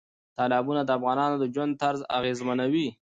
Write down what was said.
تالابونه د افغانانو د ژوند طرز اغېزمنوي.